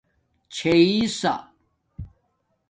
چھئیئ سݳ